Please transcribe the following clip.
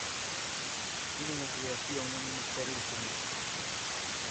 Piden a creación dun ministerio da familia